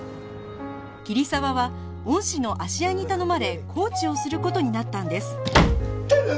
桐沢は恩師の芦屋に頼まれコーチをする事になったんです頼む！